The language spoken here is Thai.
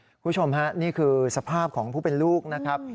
คุณผู้ชมฮะนี่คือสภาพของผู้เป็นลูกนะครับ